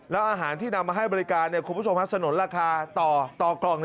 แล้วอาหารที่นำมาให้บริการคุณผู้ชมสนุนราคาต่อกล่อง